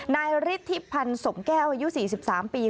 นายฤทธิพันธ์สมแก้วอายุ๔๓ปี